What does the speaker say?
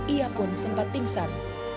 ia pun sempat pingsan